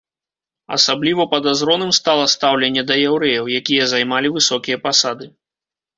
Асабліва падазроным стала стаўленне да яўрэяў, якія займалі высокія пасады.